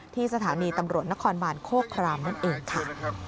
ที่สถานีตำรวจนครบานโคครามนั่นเองค่ะ